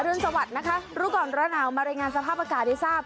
รุนสวัสดิ์นะคะรู้ก่อนร้อนหนาวมารายงานสภาพอากาศให้ทราบ